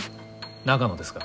長野ですか？